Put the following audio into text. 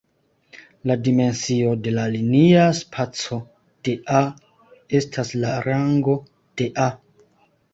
La dimensio de la linia spaco de "A" estas la rango de "A".